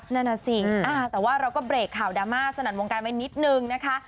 นั่นน่ะสิแต่ว่าเราก็เบรกข่าวดราม่าสนั่นวงการไว้นิดนึงนะคะ